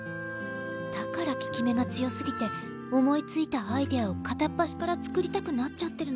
だから効き目が強すぎて思いついたアイデアをかたっぱしから作りたくなっちゃってるのかも。